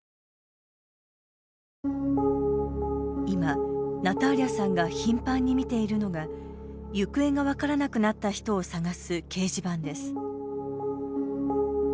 今、ナターリャさんが頻繁に見ているのが行方が分からなくなった人を捜す掲示板です。